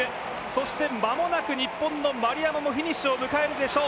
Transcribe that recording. そして間もなく日本の丸山もフィニッシュを迎えるでしょう。